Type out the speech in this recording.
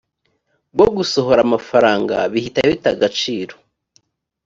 bwo gusohora amafaranga bihita bita agaciro